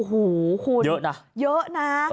หูโคตรเยอะน่ะเยอะน่ะ